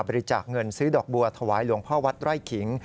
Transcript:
บริจาคเงินซื้อดอกบัวถวายหลวงพ่อวัดไร่ขิง